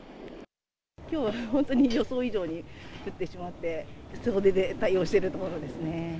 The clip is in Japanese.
きょうはほんとに予想以上に降ってしまって、総出で対応しているところですね。